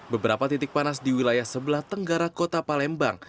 beberapa titik panas di wilayah sebelah tenggara kota palembang